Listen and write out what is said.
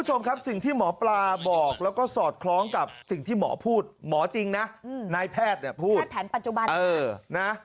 ใช่คือแบบตัวสั่นอยู่แบบนั้น